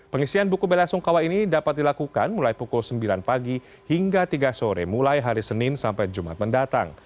pengisian buku bella sungkawa ini dapat dilakukan mulai pukul sembilan pagi hingga tiga sore mulai hari senin sampai jumat mendatang